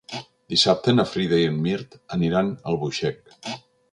Dissabte na Frida i en Mirt aniran a Albuixec.